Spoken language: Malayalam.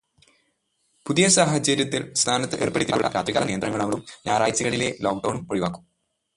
പുതിയ സാഹചര്യത്തില്, സംസ്ഥാനത്ത് ഏര്പ്പെടുത്തിയിട്ടുള്ള രാത്രികാല നിയന്ത്രണങ്ങളും ഞായറാഴ്ചകളിലെ ലോക്ക്ഡൗണും ഒഴിവാക്കും.